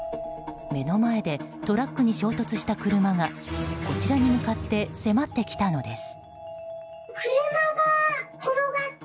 目の前でトラックに衝突した車がこちらに向かって迫ってきたのです。